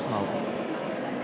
ya jangan dong